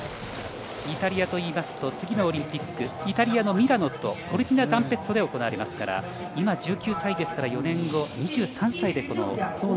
イタリアといいますと次のオリンピックイタリアのミラノとコルティナダンペッツォで行われますから今１９歳ですから、２３歳で。